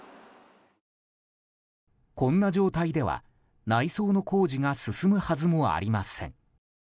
こんな状態では内装の工事が進むはずもありません。